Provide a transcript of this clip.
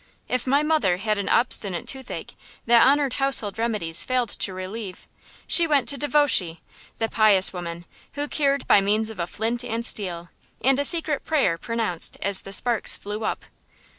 If my mother had an obstinate toothache that honored household remedies failed to relieve, she went to Dvoshe, the pious woman, who cured by means of a flint and steel, and a secret prayer pronounced as the sparks flew up.